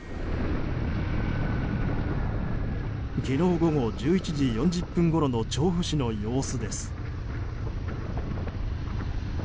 昨日午後１１時４０分ごろの調布市の様子です。